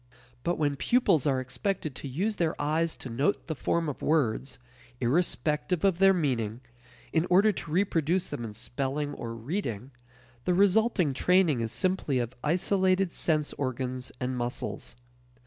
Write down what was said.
But when pupils are expected to use their eyes to note the form of words, irrespective of their meaning, in order to reproduce them in spelling or reading, the resulting training is simply of isolated sense organs and muscles.